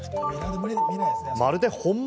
まるで本物？